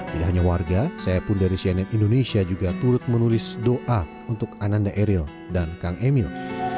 tidak hanya warga saya pun dari cnn indonesia juga turut menulis doa untuk ananda eril dan kang emil